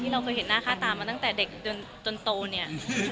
เราเคยเห็นหน้าค่าตามาตั้งแต่เด็กจนโตเนี่ย